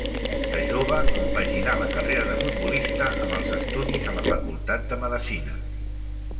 De jove compaginà la carrera de futbolista amb els estudis a la facultat de Medicina.